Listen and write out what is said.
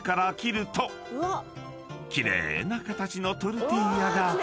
［奇麗な形のトルティーヤが完成］